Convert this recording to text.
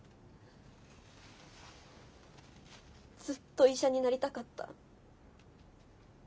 ずっと医者になりたかった。